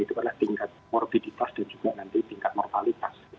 itu adalah tingkat morbiditas dan juga nanti tingkat mortalitas